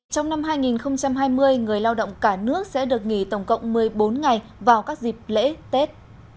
trong năm hai nghìn hai mươi người lao động cả nước sẽ được nghỉ tổng cộng một mươi bốn ngày vào các dịp lễ tết